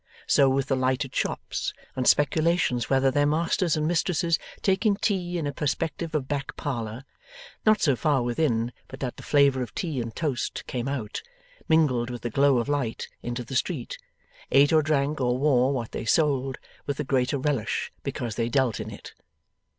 So with the lighted shops, and speculations whether their masters and mistresses taking tea in a perspective of back parlour not so far within but that the flavour of tea and toast came out, mingled with the glow of light, into the street ate or drank or wore what they sold, with the greater relish because they dealt in it.